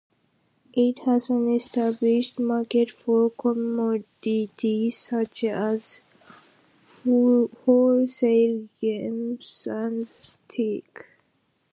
It has an established market for commodities such as wholesale gems and teak.